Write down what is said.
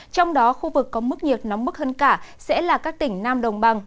trong đó khu vực có mức nhiệt nóng bức hơn cả sẽ là các tỉnh nam đồng bằng